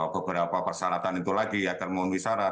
beberapa persyaratan itu lagi ya akan memenuhi syarat